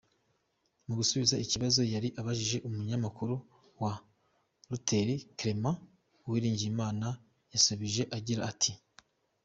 Mu gusubiza ikibazo yari abajijwe n’umunyamakuru wa Reuters, Clément Uwiringiyimana, yasubije agira ati: